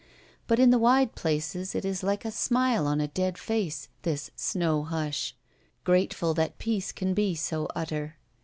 Out in the wide places it is like a smile on a dead face, this snow hush, grateful that peace can be so utter.